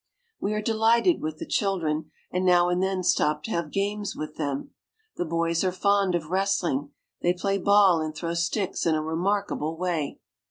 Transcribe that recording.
We are delighted with the children, and now and then stop to have games with them. The boys are fond of wrestling ; they play ball and throw sticks in a remarkable way.